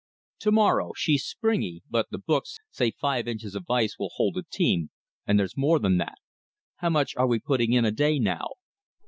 "To morrow. She's springy, but the books say five inches of ice will hold a team, and there's more than that. How much are we putting in a day, now?"